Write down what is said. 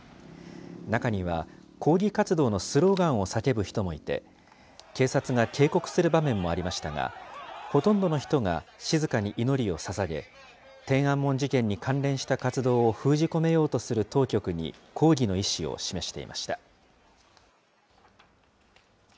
中には抗議活動のスローガンを叫ぶ人もいて、警察が警告する場面もありましたが、ほとんどの人が静かに祈りをささげ、天安門事件に関連した活動を封じ込めようとする当局に、抗議の意志を示していました。